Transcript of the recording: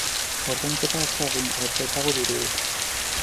Ordainketa ez da egingo, ez baitago dirurik.